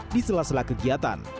di sela sela kegiatan